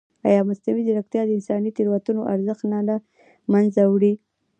ایا مصنوعي ځیرکتیا د انساني تېروتنو ارزښت نه له منځه وړي؟